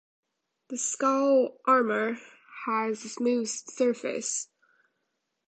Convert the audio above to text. The skull armour has a smooth surface.